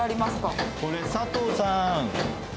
これ佐藤さーん。